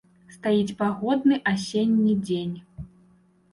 Стаіць пагодны асенні дзень.